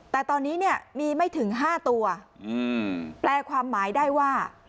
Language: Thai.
แต่ตอนนี้เนี่ยมีไม่ถึง๕ตัวแปลความหมายได้ว่า